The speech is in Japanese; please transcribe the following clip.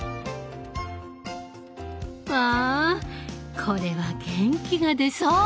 わぁこれは元気が出そう！